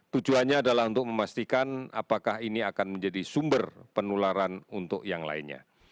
tujuannya adalah untuk memastikan apakah ini akan menjadi sumber penularan untuk yang lainnya